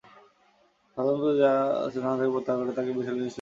শাজাহানপুর থানা থেকে প্রত্যাহার করে তাঁকে বরিশাল রেঞ্জে সংযুক্ত করা হয়েছে।